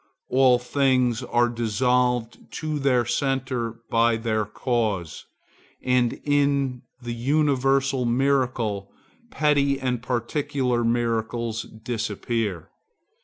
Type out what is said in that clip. All things are dissolved to their centre by their cause, and in the universal miracle petty and particular miracles disappear.